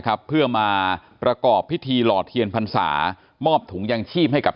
ครับเพื่อมาประกอบพิธีหลอดเทียนพันธุ์ศาสตร์มอบถุงยังชีพให้กับ